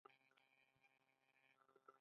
د نجونو تعلیم د ماشومانو مړینې کمولو لاره ده.